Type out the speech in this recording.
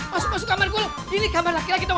masuk masuk kamar gue lo ini kamar laki laki dong